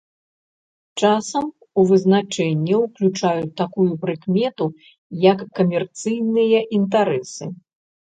Часам у вызначэнне ўключаюць такую прыкмету, як камерцыйныя інтарэсы.